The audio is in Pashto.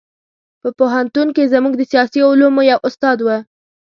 په پوهنتون کې زموږ د سیاسي علومو یو استاد و.